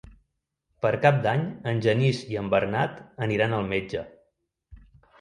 Per Cap d'Any en Genís i en Bernat aniran al metge.